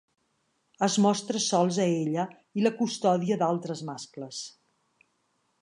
Es mostra sols a ella i la custodia d'altres mascles.